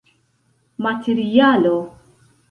materialo